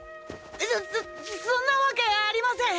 そそっそんなわけありません！！